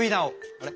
あれ？